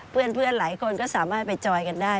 เพื่อนหลายคนก็สามารถไปจอยกันได้